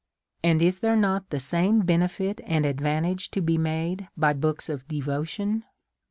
And is there not the same benefit and advan tage to be made by books of devotion